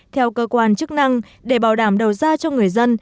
theo cơ quan chức năng để bảo đảm đầu ra cho người dân